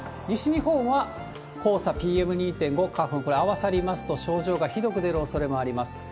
西日本は黄砂、ＰＭ２．５、花粉、これ合わさりますと、症状がひどく出るおそれがあります。